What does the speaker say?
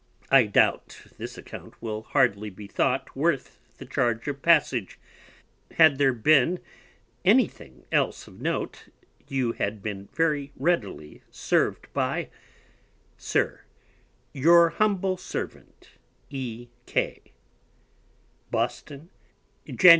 I doubt this Account will hardly be thought worth the Charge of Passage: Had there been any thing else of note, you had been very readily serv'd by, SIR, Your Humble Servant, Boston, Jan.